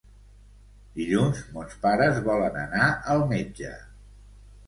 Dilluns mons pares volen anar al metge.